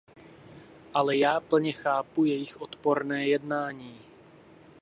Ale já plně chápu jejich odporné jednání.